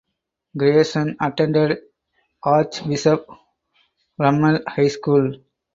Grayson attended Archbishop Rummel High School.